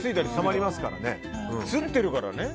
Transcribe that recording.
吸ってるからね。